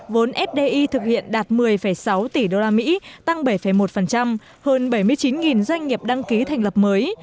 vốn fdi thực hiện đạt một mươi sáu tỷ đô la mỹ tăng bảy một hơn bảy mươi chín doanh nghiệp đăng ký thành lập mới